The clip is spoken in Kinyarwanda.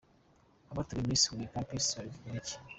Abateguye Miss Huye Campus babivugaho iki?.